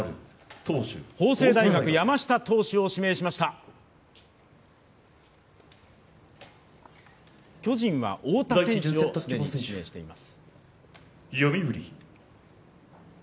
法政大学・山下投手を指名しました巨人は翁田選手をすでに指名しています。